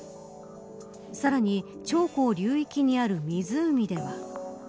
さらに長江流域にある湖では。